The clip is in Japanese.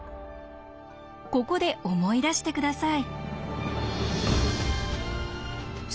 ここで思い出して下さい。